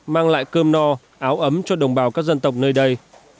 mang lại cơm no áo ấm cho đồng bào các dân tộc nơi đây